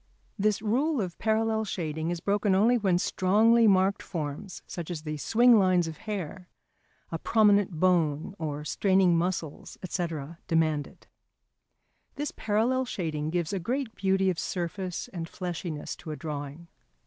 This rule of parallel shading is broken only when strongly marked forms, such as the swing lines of hair, a prominent bone or straining muscles, &c., demand it. This parallel shading gives a great beauty of surface and fleshiness to a drawing.